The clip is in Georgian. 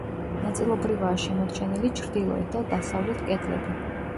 ნაწილობრივაა შემორჩენილი ჩრდილოეთ და დასავლეთ კედლები.